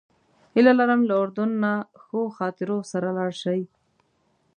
هیله لرم له اردن نه ښو خاطرو سره لاړ شئ.